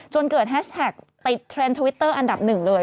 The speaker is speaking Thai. จนเกิดแฮชท็ากไปเทรนด์ทวิตเตอร์อันดับ๑เลย